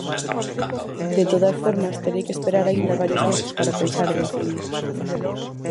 De todas formas, terei que esperar aínda varios meses para pensar e decidir.